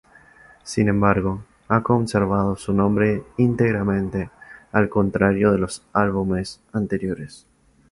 Sin embargo, ha conservado su nombre íntegramente, al contrario de los álbumes anteriores.